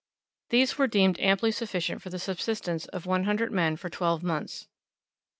These were deemed amply sufficient for the subsistence of one hundred men for twelve months.